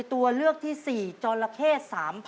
ตัวเลือกที่๔จรเข้๓๐๐๐